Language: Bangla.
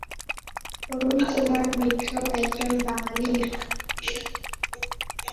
অরুণকুমার মিত্র একজন বাঙালি লেখক।